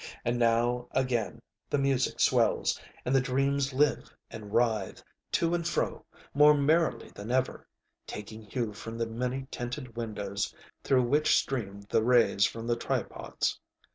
And now again the music swells, and the dreams live, and writhe to and fro more merrily than ever, taking hue from the many tinted windows through which stream the rays from the tripods.